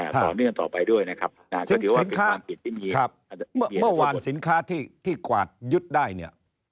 ต่อเนื่องต่อไปด้วยนะครับสินค้าเมื่อวานสินค้าที่กวาดยึดได้เนี่ย